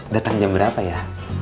datang jam berapa ya